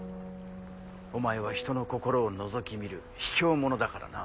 お前は人の心をのぞき見るひきょう者だからな。